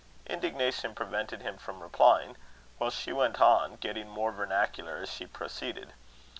Indignation prevented him from replying; while she went on, getting more vernacular as she proceeded.